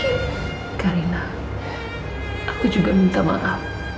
kalo ada perkataan ataupun perbuatan aku